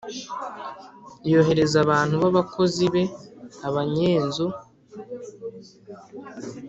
yohereza abantu b’abakozi be, abanyenzu.